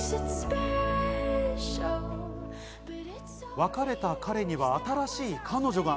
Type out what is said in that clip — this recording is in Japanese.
別れた彼には新しい彼女が。